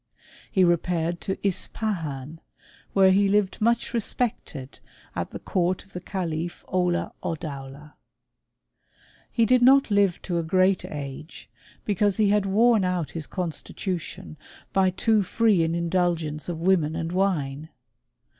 He repaired to Ispahan, where he lived much CHEMISTRY OF THE ARABIANS. 135 respected at the court of the calif Ola Oddaula. He did not live to a great age, because he had worn out his constitution by too free an indulgence of women and wine.